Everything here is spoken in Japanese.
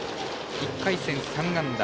１回戦、３安打。